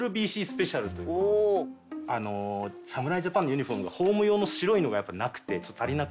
あの侍ジャパンのユニホームがホーム用の白いのがやっぱりなくて足りなくて。